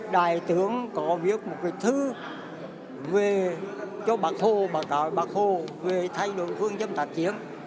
đại tướng có viết một cái thư line hiệp tra bắc hồ về thay đổi phương châm tạp chiến